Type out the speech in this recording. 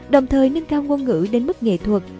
đồng thời nâng cao ngôn ngữ đến mức nghệ thuật